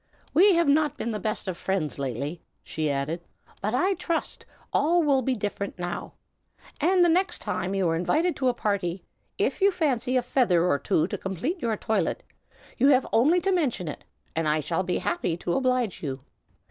We have not been the best of friends, lately," she added, "but I trust all will be different now. And the next time you are invited to a party, if you fancy a feather or so to complete your toilet, you have only to mention it, and I shall be happy to oblige you."